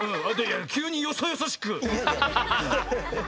きゅうによそよそしく。